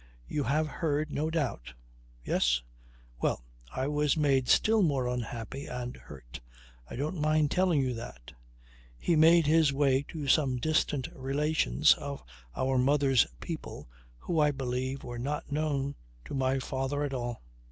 You have heard, no doubt ... Yes? Well, I was made still more unhappy and hurt I don't mind telling you that. He made his way to some distant relations of our mother's people who I believe were not known to my father at all.